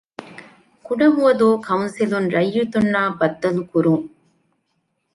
ކުޑަހުވަދޫ ކައުންސިލުން ރައްޔިތުންނާ ބައްދަލުކުރުން